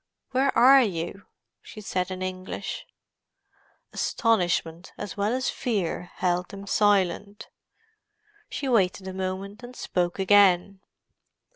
"Where are you?" she said in English. Astonishment as well as fear held them silent. She waited a moment, and spoke again.